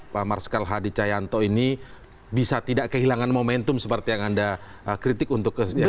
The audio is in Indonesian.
pak marsikal hadi cayanto ini bisa tidak kehilangan momentum seperti yang anda kritik untuk kesejahtera